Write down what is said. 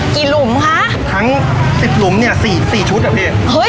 หลุมคะทั้งสิบหลุมเนี้ยสี่สี่ชุดอ่ะพี่เฮ้ย